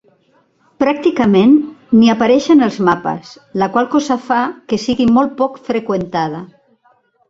Pràcticament ni apareix en els mapes, la qual cosa fa que sigui molt poc freqüentada.